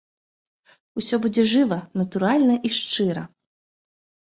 Усё будзе жыва, натуральна і шчыра!